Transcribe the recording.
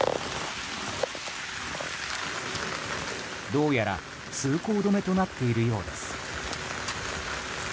どうやら通行止めとなっているようです。